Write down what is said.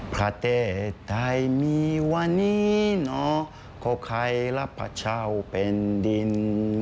พระเทศไทยมีวันนี้เนาะก็ใครละพระเจ้านะครับ